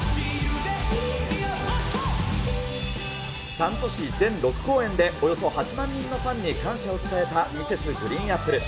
３都市全６公演で、およそ８万人のファンに感謝を伝えたＭｒｓ．ＧＲＥＥＮＡＰＰＬＥ。